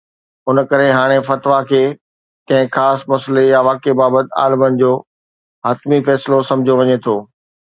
ان ڪري هاڻي فتويٰ کي ڪنهن خاص مسئلي يا واقعي بابت عالمن جو حتمي فيصلو سمجهيو وڃي ٿو.